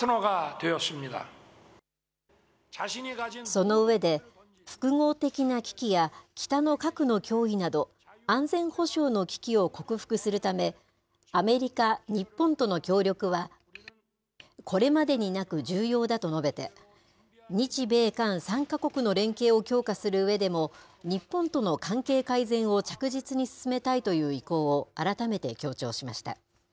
その上で、複合的な危機や北の核の脅威など、安全保障の危機を克服するため、アメリカ、日本との協力はこれまでになく重要だと述べて、日米韓３か国の連携を強化するうえでも、日本との関係改善を着実に進めたいという意向を改めて強調しました。